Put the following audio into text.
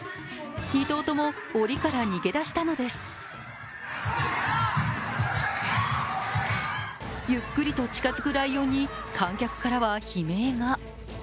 ２頭ともおりから逃げ出したのですゆっくりと近づくライオンに観客からは悲鳴が。